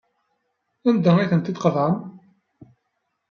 Anda ay tent-id-tqeḍɛem?